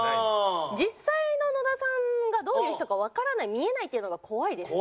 実際の野田さんがどういう人かわからない見えないっていうのが怖いです。